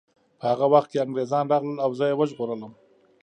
په هغه وخت کې انګریزان راغلل او زه یې وژغورلم